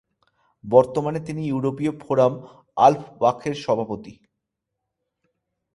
বর্তমানে তিনি ইউরোপীয় ফোরাম আল্পবাখ-এর সভাপতি।